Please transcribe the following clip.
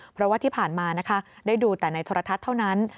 เพราะว่าที่ผ่านมานะคะได้ดูแต่ในโทรทัศน์เท่านั้น